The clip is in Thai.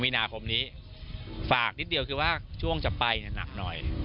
มีนาคมนี้ฝากนิดเดียวคือว่าช่วงจะไปหนักหน่อย